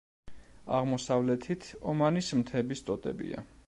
აღმოსავლეთით ომანის მთების ტოტებია.